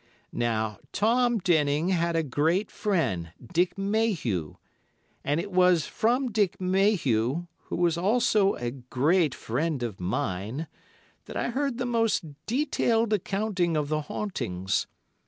Now, Tom Denning had a great friend, Dick Mayhew, and it was from Dick Mayhew, who was also a great friend of mine, that I heard the most detailed account of the hauntings.